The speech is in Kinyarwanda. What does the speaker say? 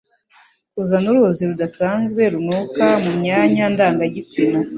Kuzana uruzi rudasanzwe runuka mu myanya ndanga gitsina